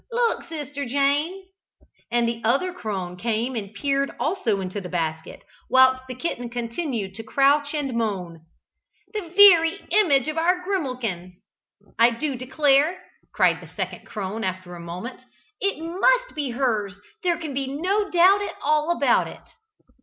Look, sister Jane!" and the other crone came and peered also into the basket, whilst the kitten continued to crouch and moan. "The very image of our grimalkin, I do declare!" cried the second crone after a moment. "It must be hers there can be no doubt at all about it."